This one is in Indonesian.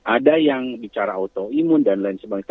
ada yang bicara autoimun dan lain sebagainya